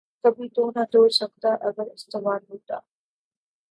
کبھی تو نہ توڑ سکتا اگر استوار ہوتا